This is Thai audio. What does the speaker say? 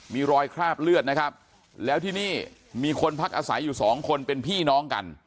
มีรอยคราบเลือดนะครับแล้วที่นี่มีคนพักอาศัยอยู่สองคนเป็นพี่น้องกัน